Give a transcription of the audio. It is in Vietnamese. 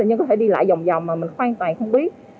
nhưng có thể đi lại vòng vòng mà mình hoàn toàn không biết